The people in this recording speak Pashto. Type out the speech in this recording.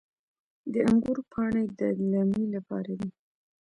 د انګورو پاڼې د دلمې لپاره دي.